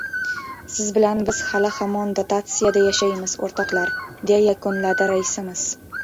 — Siz bilan biz hali-hamon dotatsiyada yashaymiz, o‘rtoqlar! — deya yakunladi raisimiz.